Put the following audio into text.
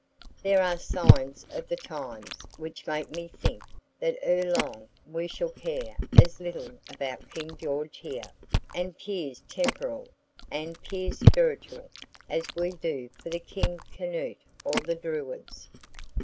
There are signs of the times which make me think that ere long we shall care as little about King George here, and peers temporal and peers spiritual, as we do for King Canute or the Druids.